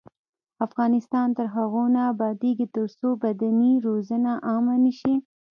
افغانستان تر هغو نه ابادیږي، ترڅو بدني روزنه عامه نشي.